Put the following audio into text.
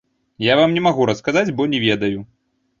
Я вам не магу расказаць, бо не ведаю.